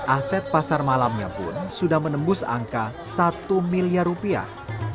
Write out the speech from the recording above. aset pasar malamnya pun sudah menembus angka satu miliar rupiah